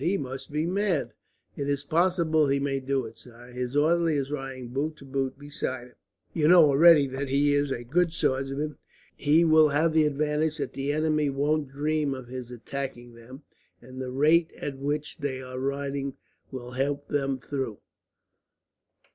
"He must be mad." "It is possible he may do it, sire. His orderly is riding boot to boot beside him. You know already that he is a good swordsman. He will have the advantage that the enemy won't dream of his attacking them, and the rate at which they are riding will help them through.